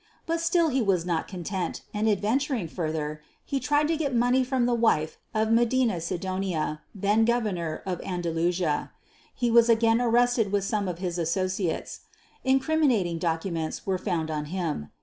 But still he was not content, and adventuring further, he tried to get money from the wife of Medina Sidonia then Governor of Andalusia. He was again arrested with some of his associates. Incriminating documents were found on him.